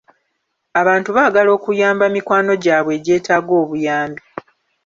Abantu baagala okuyamba mikwano gyabwe egyetaaga obuyambi.